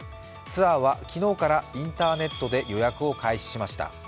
ツアーは昨日からインターネットで予約を開始しました。